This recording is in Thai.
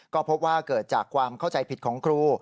ก็พบว่าเกิดจากความเข้าใจผิดของครู